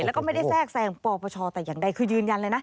แล้วก็ไม่ได้แทรกแทรงปปชแต่อย่างใดคือยืนยันเลยนะ